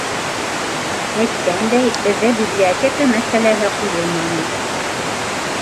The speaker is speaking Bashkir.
— Әйткәндәй, беҙҙә библиотека мәсьәләһе ҡуйылманы?